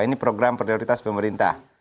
ini program prioritas pemerintah